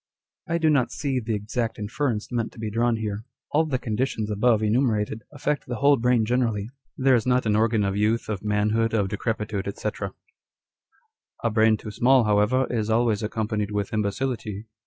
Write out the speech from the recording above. I do not see the exact inference meant to be drawn here. All the conditions above enumerated affect the whole brain generally. There is not an organ of youth, of manhood, of decrepitude, &c. " A brain 'too small, however, is always accompanied with imbecility.